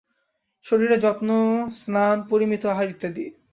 শরীরের যত্ন, স্নান, পরিমিত আহার ইত্যাদি।